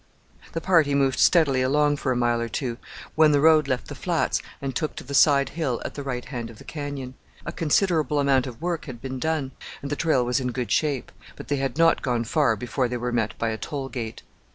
The party moved steadily along for a mile or two, when the road left the flats and took to the side hill at the right hand of the canyon. A considerable amount of work had been done, and the trail was in good shape; but they had not gone far before they were met by a toll gate.